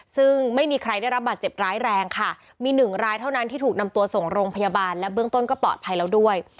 ซึ่งไม่มีใครได้รับบาดเจ็บร้ายแรงค่ะมีหนึ่งรายเท่านั้นที่ถูกนำตัวส่งโรงพยาบาลและเบื้องต้นก็ปลอดภัยแล้วด้วย